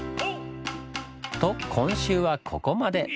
と今週はここまで！